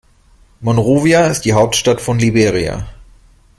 Monrovia ist die Hauptstadt von Liberia.